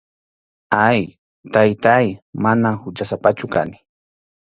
Ay, Taytáy, manam huchasapachu kani.